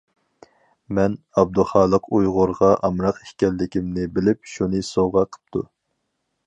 مەن ئابدۇخالىق ئۇيغۇرغا ئامراق ئىكەنلىكىمنى بىلىپ شۇنى سوۋغا قىپتۇ.